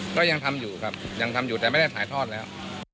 ก็ยังทำอยู่ครับยังทำอยู่แต่ไม่ได้ถ่ายทอดแล้ว